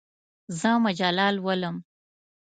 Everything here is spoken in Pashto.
زه مجله لولم.